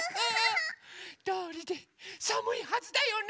どうりでさむいはずだよね。